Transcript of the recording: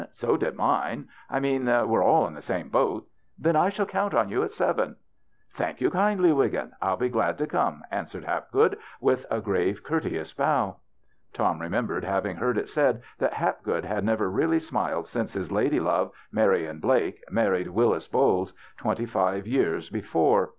So did mine. I mean — we're all in the same boat. Then I shall count on you at seven." " Thank you kindly, Wiggin. I'll be glad to come," answered Hapgood, with a grave, courteous bow. Tom remembered having heard it said that Hapgood had never really smiled since his lady love, Marian Blake, mar ried Willis Bolles, twenty five years before.